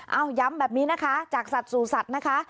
เอาย้ำแบบนี้นะคะจากสัตว์สู่สัตว์นะคะ